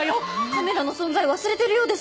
カメラの存在忘れてるようです。